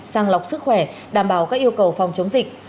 sàng lọc sức khỏe đảm bảo các yêu cầu phòng chống dịch